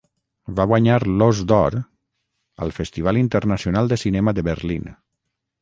Va guanyar l'Ós d'Or al Festival Internacional de Cinema de Berlín.